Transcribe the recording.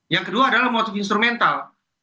yang kedua adalah motif instrumental